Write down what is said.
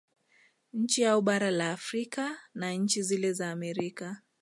Nchi au bara la Afrika na nchi zile za Amerika